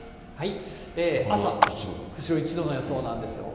朝、釧路１度の予想なんですよ。